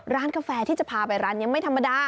ร้านกาแฟที่จะพาไปร้านยังไม่ธรรมดา